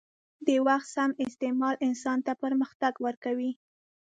د وخت سم استعمال انسان ته پرمختګ ورکوي.